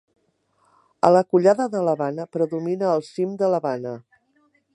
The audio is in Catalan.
A la collada de la Bana predomina el cim de la Bana.